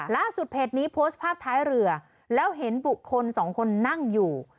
เพจนี้โพสต์ภาพท้ายเรือแล้วเห็นบุคคลสองคนนั่งอยู่